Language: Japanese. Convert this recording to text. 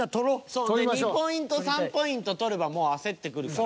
そうね２ポイント３ポイント取ればもう焦ってくるから。